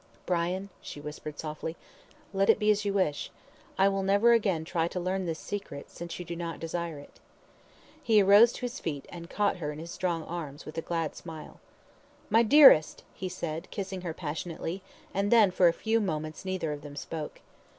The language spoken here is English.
"Brian," she whispered softly, "let it be as you wish. I will never again try to learn this secret, since you do not desire it." He arose to his feet, and caught her in his strong arms, with a glad smile. "My dearest," he said, kissing her passionately, and then for a few moments neither of them spoke.